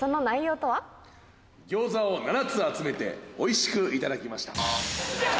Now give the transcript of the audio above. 餃子を７つ集めておいしくいただきました。